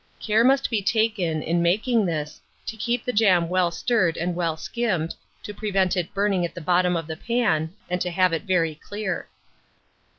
Care must be taken, in making this, to keep the jam well stirred and well skimmed, to prevent it burning at the bottom of the pan, and to have it very clear.